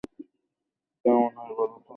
কেমন হয় বলো তো?